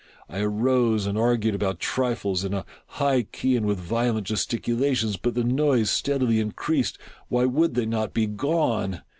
I arose and argued about trifles, in a high key and with violent gesticulations , but the noise steadily increased. Why would they not be gone